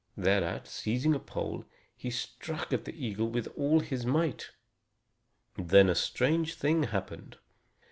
Thereat, seizing a pole, he struck at the eagle with all his might. Then a strange thing happened.